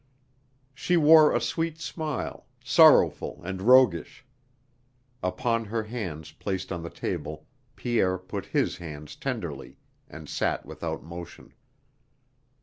She wore a sweet smile, sorrowful and roguish. Upon her hands placed on the table Pierre put his hands tenderly, and sat without motion.